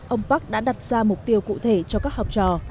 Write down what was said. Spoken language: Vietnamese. ông park đã đặt ra mục tiêu cụ thể cho các học trò